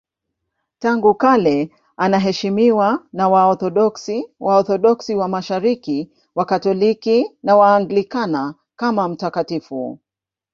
Tangu kale anaheshimiwa na Waorthodoksi, Waorthodoksi wa Mashariki, Wakatoliki na Waanglikana kama mtakatifu.